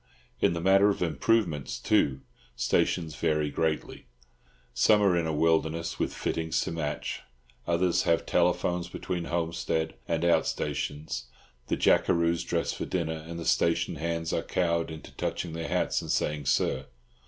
In the matter of improvements, too, stations vary greatly. Some are in a wilderness, with fittings to match; others have telephones between homestead and out stations, the jackeroos dress for dinner, and the station hands are cowed into touching their hats and saying "Sir."